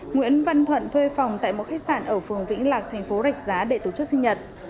nguyễn văn thuận thuê phòng tại một khách sạn ở phường vĩnh lạc thành phố rạch giá để tổ chức sinh nhật